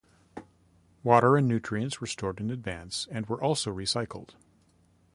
Water and nutrients were stored in advance and were also recycled.